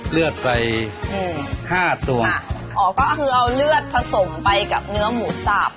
เลือดไปอืมห้าตัวค่ะอ๋อก็คือเอาเลือดผสมไปกับเนื้อหมูสับ